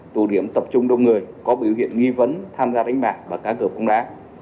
tù điểm tập trung đông người có biểu hiện nghi vấn tham gia đánh bạc và cá cửa phóng đá